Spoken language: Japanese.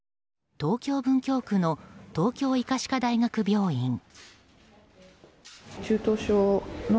東京・文京区の東京医科歯科大学病院。